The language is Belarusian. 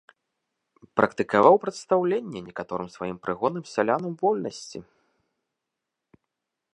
Практыкаваў прадстаўленне некаторым сваім прыгонным сялянам вольнасці.